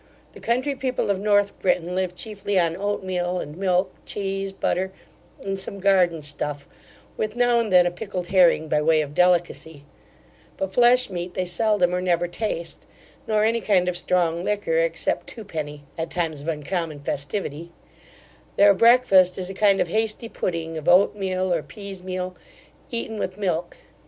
The country people of North Britain live chiefly on oat meal, and milk, cheese, butter, and some garden stuff, with now and then a pickled herring, by way of delicacy; but flesh meat they seldom or never taste; nor any kind of strong liquor, except two penny, at times of uncommon festivity Their breakfast is a kind of hasty pudding, of oat meal or pease meal, eaten with milk.